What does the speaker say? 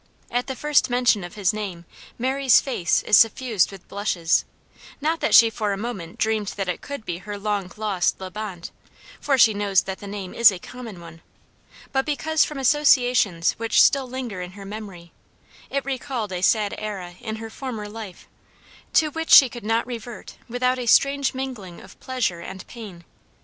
At the first mention of his name Mary's face is suffused with blushes; not that she for a moment dreamed that it could be her long lost La Bonte, for she knows that the name is a common one, but because from associations which still linger in her memory, it recalled a sad era in her former life, to which she could not revert without a strange mingling of pleasure and pain.